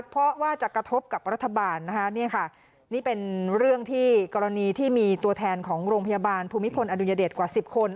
เพราะว่าจะกระทบกับรัฐบาลนะคะนี่ค่ะนี่เป็นเรื่องที่กรณีที่มีตัวแทนของโรงพยาบาลภูมิพลอดุญเดชกว่า๑๐คน